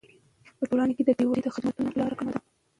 په ټولنه کې د بې وزلۍ د ختمولو لاره کومه ده؟